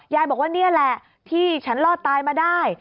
ยายบอกว่านี่แหละที่ฉันรอดตายมาได้